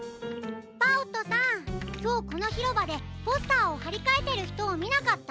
パオットさんきょうこのひろばでポスターをはりかえてるひとをみなかった？